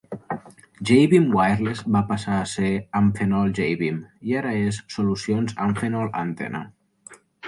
Jaybeam Wireless va passar a ser Amphenol Jaybeam i ara és Solucions Amphenol Antenna.